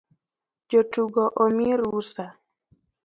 Jotugo omii rusa